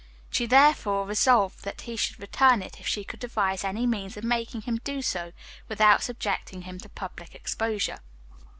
She therefore resolved that he should return it if she could devise any means of making him do so, without subjecting him to public exposure.